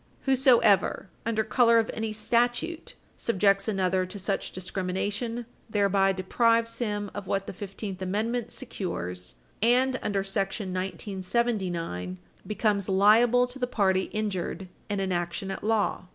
Whosoever "under color of any statute" subjects another to such discrimination thereby deprives him of what the Fifteenth Amendment secures and, under § 1979, becomes "liable to the party injured in an action at law."